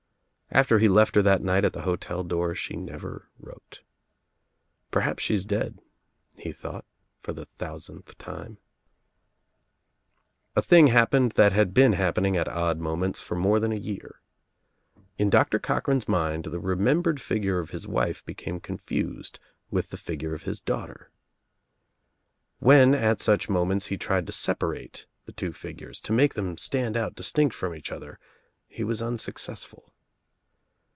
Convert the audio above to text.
After he left her that night at the hotel door she never wrote. "Perhaps she is dead," he thought for the thousandth time. I I UNLIGIITED LAMPS 83 A thing happened that had been happening at odd moments for more than a year. In Doctor Cochran's mind the remembered figure of his wife became con fused with the figure of his daughter. When at such moments he tried to separate the two figures, to make them stand out distinct from each other, he was un successful.